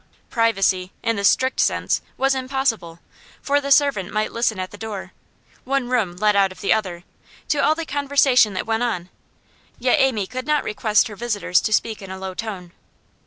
Privacy, in the strict sense, was impossible, for the servant might listen at the door (one room led out of the other) to all the conversation that went on; yet Amy could not request her visitors to speak in a low tone.